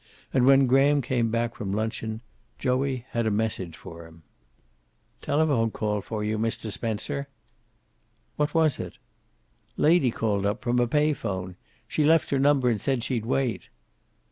And, when Graham came back from luncheon, Joey had a message for him. "Telephone call for you, Mr. Spencer." "What was it?" "Lady called up, from a pay phone. She left her number and said she'd wait."